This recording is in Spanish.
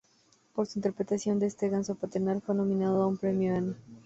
Por su interpretación de este ganso paternal fue nominado a un Premio Annie.